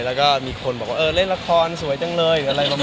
แล้วก็มีคนบอกว่าเล่นละครสวยจังเลย